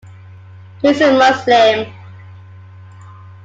He is a Muslim.